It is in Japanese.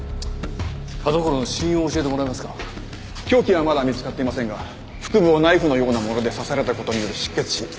凶器はまだ見つかっていませんが腹部をナイフのようなもので刺された事による失血死。